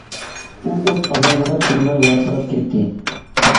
ئۇ ئوت ئازابىغا چىدىماي ۋارقىراپ كەتتى.